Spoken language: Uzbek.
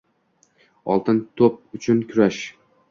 “Oltin to‘p” uchun kurash